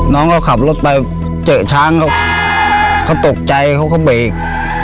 น้องเขาขับรถไปเจอช้างเขาตกใจเขาก็เบรก